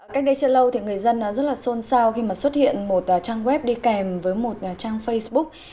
cách đây chưa lâu thì người dân rất là xôn xao khi mà xuất hiện một trang web đi kèm với một trang facebook